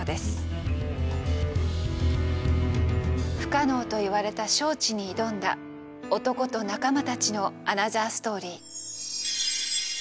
「不可能」と言われた招致に挑んだ男と仲間たちのアナザーストーリー。